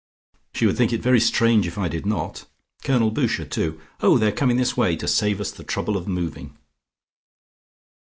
She would think it very strange if I did not. Colonel Boucher, too! Oh, they are coming this way to save us the trouble of moving."